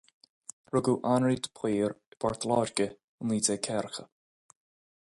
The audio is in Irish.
Rugadh Annraoi de Paor i bPort Láirge i naoi déag ceathracha.